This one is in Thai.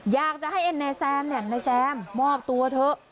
อยากจะให้นายแซมเนี่ยนายแซมมอบตัวเถอะ